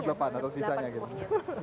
di enam puluh delapan atau sisanya gitu